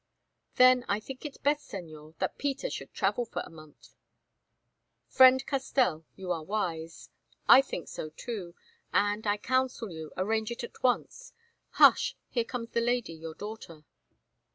"Then I think it is best, Señor, that Peter should travel for a month." "Friend Castell, you are wise; I think so too, and, I counsel you, arrange it at once. Hush! here comes the lady, your daughter."